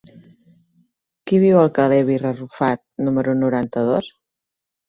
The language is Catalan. Qui viu al carrer de Vila Arrufat número noranta-dos?